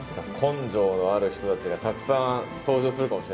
根性がある人たちがたくさん登場するかもしれないですね。